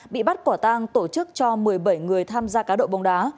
bị bắt quả tang tổ chức cho một mươi bảy người tham gia cá độ bóng đá